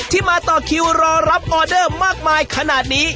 ที่มาต่อคิวรอรับออเดอร์มากมายขนาดนี้